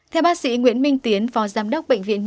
theo bác sĩ nguyễn minh tiến phó giám đốc bệnh viện nhi